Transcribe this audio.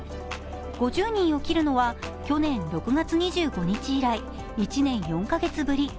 ５０人を切るのは去年６月２５日以来、１年４カ月ぶり。